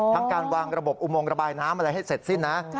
การวางระบบอุโมงระบายน้ำอะไรให้เสร็จสิ้นนะ